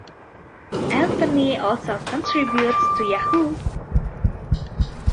Anthony also contributes to Yahoo!